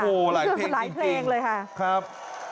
โหหลายเพลงจริงค่ะครับ